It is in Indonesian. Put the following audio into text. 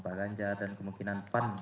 pak ganjar dan kemungkinan pan